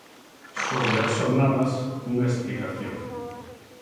Sobre as xornadas, unha explicación.